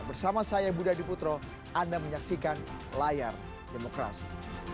bersama saya budha diputro anda menyaksikan layar demokrasi